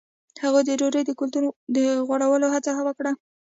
هغوی د ډوډۍ د کلتور د غوړولو هڅه وکړه.